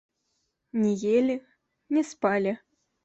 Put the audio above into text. Не елі, не спалі.